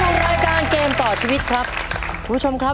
ขอบคุณรายการเกมต่อชีวิตของครับ